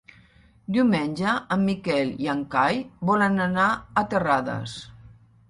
Diumenge en Miquel i en Cai volen anar a Terrades.